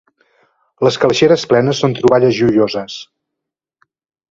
Les calaixeres plenes són troballes joioses.